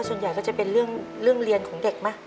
ส่วนใหญ่ก็จะเป็นเรื่องเรียนของเด็กไหม